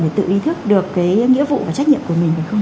để tự ý thức được cái nghĩa vụ và trách nhiệm của mình